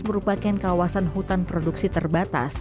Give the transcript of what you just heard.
merupakan kawasan hutan produksi terbatas